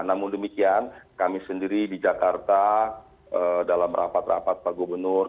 namun demikian kami sendiri di jakarta dalam rapat rapat pak gubernur